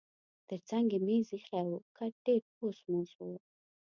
ترڅنګ یې مېز اییښی و، کټ ډېر پوس موس و.